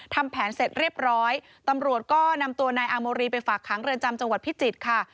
ทำแผนเสร็จเรียบร้อยตำรวจก็นำตัวนายอาโมรีไปฝากค้างเรือนจำจังหวัดพิจิตรค่ะ